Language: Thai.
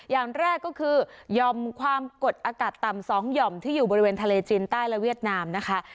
อย่างแรกก็คือหย่อมความกดอากาศต่ำ๒หย่อมที่อยู่บริเวณทะเลจีนใต้และเวียดนามนะคะ